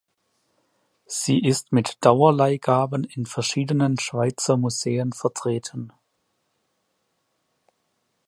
Sie ist mit Dauerleihgaben in verschiedenen Schweizer Museen vertreten.